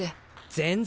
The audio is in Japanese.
全然！